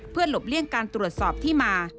เพื่อหลบเลี่ยงการตรวจสอบที่มา